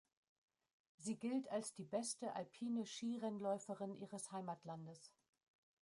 Sie gilt als die beste alpine Skirennläuferin ihres Heimatlandes.